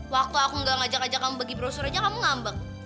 waktu aku gak ngajak ngajak kamu bagi brosur aja kamu ngambek